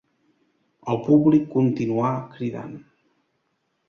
El públic continuà cridant.